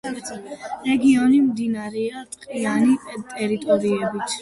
რეგიონი მდიდარია ტყიანი ტერიტორიებით.